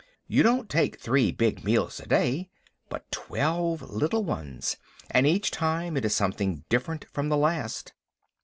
You don't take three big meals a day, but twelve little ones, and each time it is something different from the last.